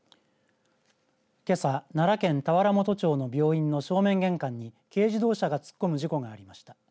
けさ奈良県田原本町の病院の正面玄関に軽自動車が突っ込む事故がありました。